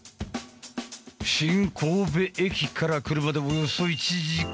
新神戸駅から車でおよそ１時間。